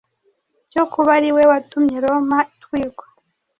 cyo kuba ari we watumye Roma itwikwa.